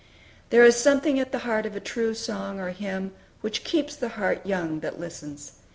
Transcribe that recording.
There is something at the heart of a true song or hymn which keeps the heart young that listens.